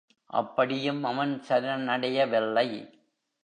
அப்படியும் அவன் சரணடையவில்லை.